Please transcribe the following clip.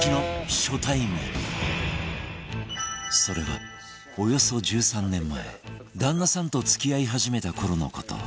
それはおよそ１３年前旦那さんと付き合い始めた頃の事